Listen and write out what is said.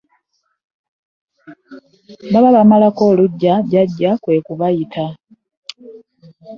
Baba bamalako oluggya jjajja kwe kubayita.